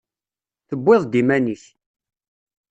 Tewwiḍ-d iman-ik.